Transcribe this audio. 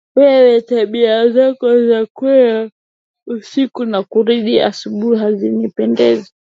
Wewe tabia zako za kwenda usiku na kurudi asubuhi hazinipendezi.